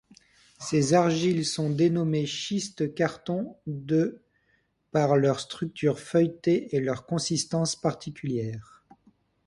Ces argiles sont dénommées schistes-carton de par leur structure feuilletée et leur consistance particulière.